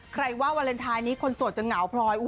ใครว่าวาเลนไทน์นี้คนสวดจะเหงาพร้อย